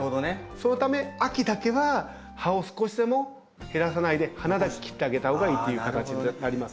そのため秋だけは葉を少しでも減らさないで花だけ切ってあげたほうがいいっていう形になります。